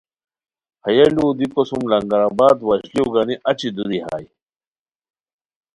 ہیہ ُلوؤ دیکو سُم لنگر آباد وشلیو گانی اچی دُوری ہائے